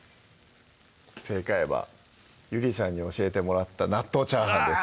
正解はゆりさんに教えてもらった「納豆チャーハン」です